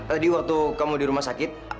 tadi waktu kamu di rumah sakit